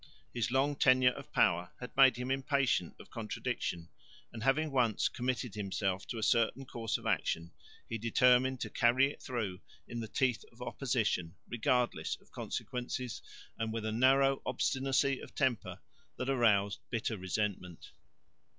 His long tenure of power had made him impatient of contradiction; and, having once committed himself to a certain course of action, he determined to carry it through in the teeth of opposition, regardless of consequences and with a narrow obstinacy of temper that aroused bitter resentment.